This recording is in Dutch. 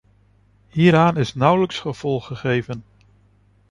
Hieraan is nauwelijks gevolg gegeven.